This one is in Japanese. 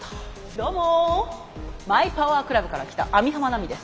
どうもマイパワークラブから来た網浜奈美です。